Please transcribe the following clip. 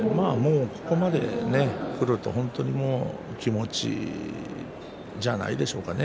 ここまでくると気持ちじゃないでしょうかね。